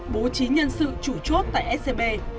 bố trí nhân sự chủ chốt tại scb